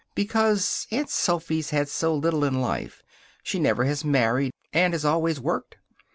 "Because Aunt Sophy's had so little in life. She never has married, and has always worked."